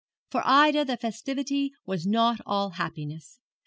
For Ida the festivity was not all happiness.